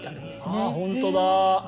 ああほんとだ！